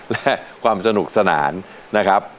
และความสนุกสนานนะครับ